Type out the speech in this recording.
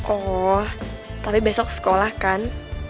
oh tapi besok sekolah kan